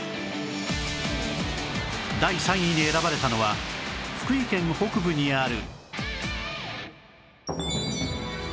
第３位に選ばれたのは福井県北部にある